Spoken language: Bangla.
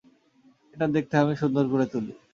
এটা দেখতে আমি সুন্দর করে তুলি।